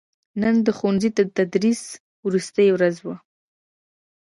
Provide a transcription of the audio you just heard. نن دښوونځي دتدریس وروستې ورځ وه